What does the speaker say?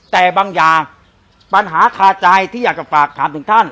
แต่บางอย่างปัญหาคาใจที่อยากจะฝากถามถึงท่าน